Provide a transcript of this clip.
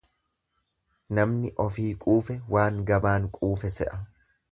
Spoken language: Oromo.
Namni ofii quufe waan gabaan quufe se'a.